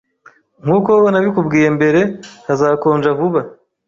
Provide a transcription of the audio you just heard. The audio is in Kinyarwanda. Nkuko nabikubwiye mbere, hazakonja vuba.